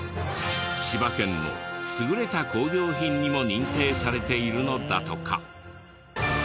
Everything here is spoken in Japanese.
千葉県の優れた工業品にも認定されているのだとか。